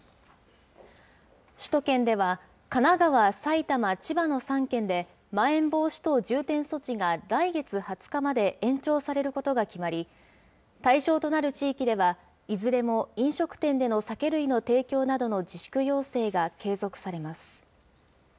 首都圏では、神奈川、埼玉、千葉の３県で、まん延防止等重点措置が来月２０日まで延長されることが決まり、対象となる地域では、いずれも飲食店での酒類の提供などの自粛要請が継続されます。